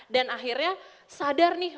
dan akhirnya sadar nih